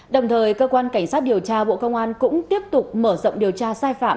đồng thời cơ quan cảnh sát điều tra bộ công an cũng tiếp tục mở rộng điều tra sai phạm